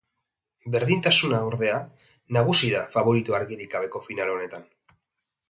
Berdintasuna, ordea, nagusi da faborito argirik gabeko final honetan.